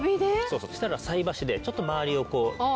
そしたら菜箸でちょっと周りをこう。